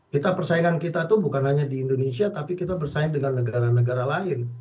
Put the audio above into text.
kita persaingan kita itu bukan hanya di indonesia tapi kita bersaing dengan negara negara lain